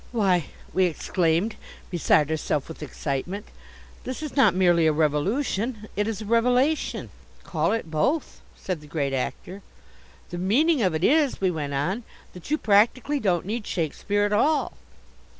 "Why!" we exclaimed, beside ourself with excitement, "this is not merely a revolution, it is a revelation." "Call it both," said the Great Actor. "The meaning of it is," we went on, "that you practically don't need Shakespeare at all."